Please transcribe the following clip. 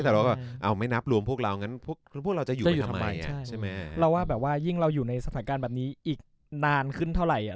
แต่เราก็เอาไม่นับรวมพวกเรางั้นพวกเราจะอยู่กันทำไมเราว่าแบบว่ายิ่งเราอยู่ในสถานการณ์แบบนี้อีกนานขึ้นเท่าไหร่